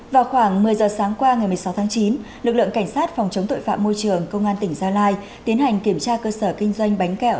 vào khoảng một mươi giờ sáng qua ngày một mươi sáu tháng chín lực lượng cảnh sát phòng chống tội phạm môi trường công an tỉnh gia lai tiến hành kiểm tra cơ sở kinh doanh bánh kẹo